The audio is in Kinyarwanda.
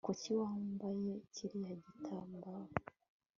kuki wambaye kiriya gitambaro